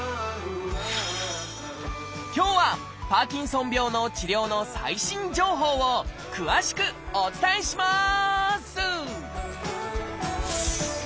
今日はパーキンソン病の治療の最新情報を詳しくお伝えします！